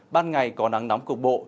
ban ngày có nắng nóng cục bộ